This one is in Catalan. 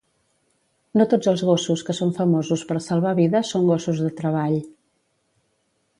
No tots els gossos que són famosos per salvar vides són gossos de treball.